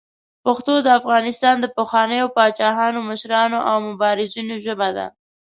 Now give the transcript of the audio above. پښتو د افغانستان د پخوانیو پاچاهانو، مشرانو او مبارزینو ژبه ده.